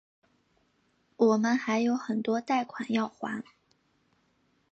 我们还有很多贷款要还